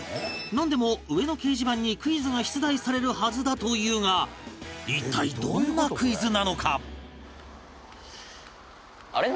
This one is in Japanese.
なんでも上の掲示板にクイズが出題されるはずだというが一体どんなクイズなのか？